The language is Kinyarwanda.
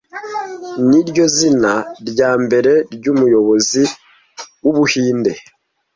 niryo zina ryambere ry'umuyobozi wu Buhinde